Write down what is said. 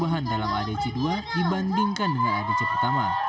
perubahan dalam aadc dua dibandingkan dengan aadc pertama